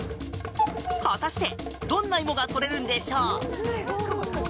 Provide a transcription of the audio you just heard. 果たしてどんな芋が採れるのでしょう。